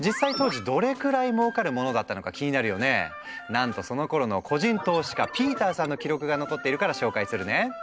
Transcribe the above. なんとそのころの個人投資家ピーターさんの記録が残っているから紹介するね。